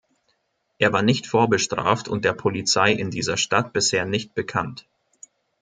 Er war nicht vorbestraft und der Polizei in dieser Stadt bisher nicht bekannt.